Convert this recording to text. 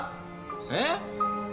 えっ？